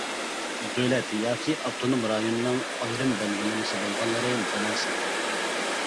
دۆلەت ياكى ئاپتونوم رايوننىڭ ئايرىم بەلگىلىمىسى بولغانلىرى بۇنىڭ سىرتىدا.